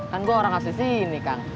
kan gue orang asis ini kan